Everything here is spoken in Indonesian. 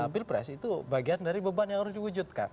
bill press itu bagian dari beban yang harus diwujudkan